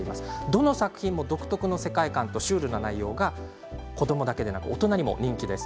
どの作品も独特の世界観とシュールな内容が子どもだけでなく大人にも人気です。